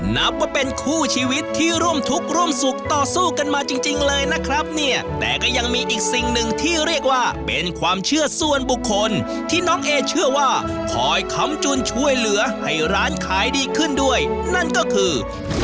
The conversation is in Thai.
นับว่าเป็นคู่ชีวิตที่ร่วมทุกข์ร่วมสุขต่อสู้กันมาจริงจริงเลยนะครับเนี่ยแต่ก็ยังมีอีกสิ่งหนึ่งที่เรียกว่าเป็นความเชื่อส่วนบุคคลที่น้องเอเชื่อว่าคอยคำจุนช่วยเหลือให้ร้านขายดีขึ้นด้วยนั่นก็คือ